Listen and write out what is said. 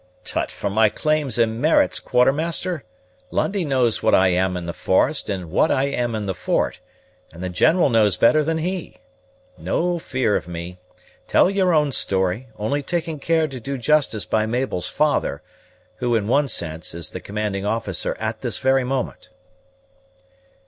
"Tut for my claims and merits, Quartermaster! Lundie knows what I am in the forest and what I am in the fort; and the General knows better than he. No fear of me; tell your own story, only taking care to do justice by Mabel's father, who, in one sense, is the commanding officer at this very moment."